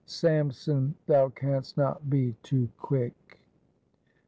Samson, thou canst not be too quick!